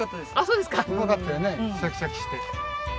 うまかったよねシャキシャキしてて。